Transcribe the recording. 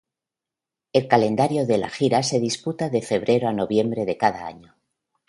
El calendario de la gira se disputa de febrero a noviembre de cada año.